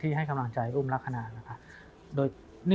ที่ให้ฟังจ่ายอุ้มรักษณ์